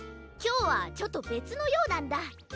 きょうはちょっとべつのようなんだ。